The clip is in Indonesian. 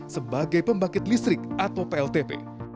sebagai pembangkit listrik atau pltp